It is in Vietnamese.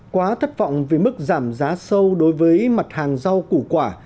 quá thất vọng về mức giảm giá sâu đối với mặt hàng rau củ quả